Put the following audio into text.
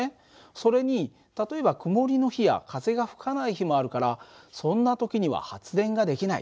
それに例えば曇りの日や風が吹かない日もあるからそんな時には発電ができない。